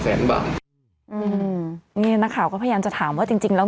แสนบาทอืมนี่นักข่าวก็พยายามจะถามว่าจริงจริงแล้ว